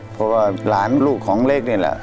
เพราะว่าหลานลูกของเล็กนี่แหละ